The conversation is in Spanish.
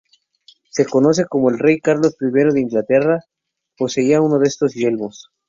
Se conoce que el rey Carlos I de Inglaterra poseían uno de estos yelmos.